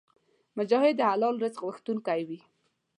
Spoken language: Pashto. مجاهد د حلال رزق غوښتونکی وي.